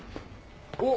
おっ！